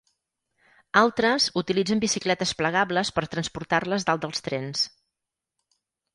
Altres utilitzen bicicletes plegables per transportar-les dalt dels trens.